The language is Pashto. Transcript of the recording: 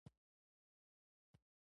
ما پخپله د دغې وینا ډیره برخه وکتله.